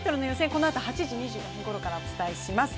このあと８時２５分ごろからお伝えします。